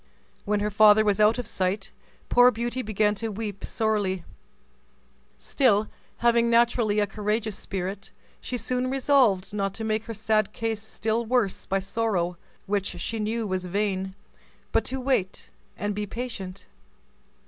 When her father was out of sight, poor Beauty began to weep sorely; still, having naturally a courageous spirit, she soon resolved not to make her sad case still worse by sorrow, which she knew was vain, but to wait and be patient.